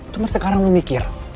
cuman sekarang lu mikir